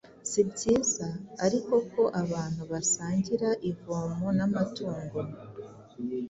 Si byiza ariko ko abantu basangira ivomo n’amatungo.